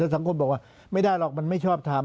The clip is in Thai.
สังคมบอกว่าไม่ได้หรอกมันไม่ชอบทำ